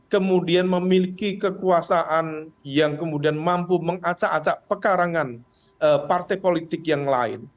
kemudian memiliki kekuasaan yang kemudian mampu mengacak acak pekarangan partai politik yang lain